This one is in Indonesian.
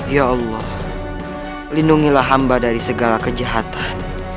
ya allah lindungilah hamba dari segala kejahatan